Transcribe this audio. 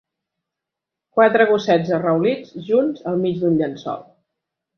quatre gossets arraulits junts al mig d'un llençol.